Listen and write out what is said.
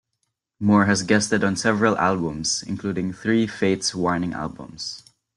Moore has guested on several albums, including three Fates Warning albums.